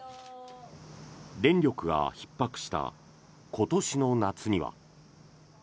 電力がひっ迫した今年の夏には。